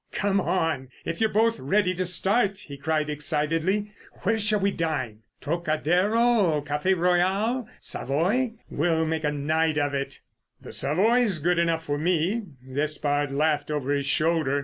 "Come on, if you're both ready to start!" he cried excitedly. "Where shall we dine? Trocadero, Café Royal, Savoy? We'll make a night of it." "The Savoy's good enough for me," Despard laughed over his shoulder.